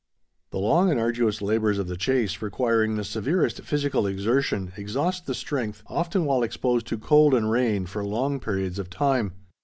The long and arduous labors of the chase, requiring the severest physical exertion, exhaust the strength, often while exposed to cold and rain for long periods of time.